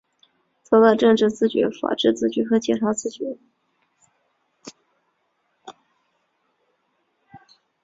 做到政治自觉、法治自觉和检察自觉